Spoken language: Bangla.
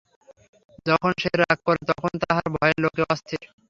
যখন সে রাগ করে তখন তাহার ভয়ে লোকে অস্থির।